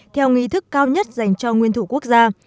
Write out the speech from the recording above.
theo nghi thức cao nhất dành cho nguyên thủ quốc gia